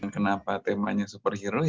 kenapa temanya superhero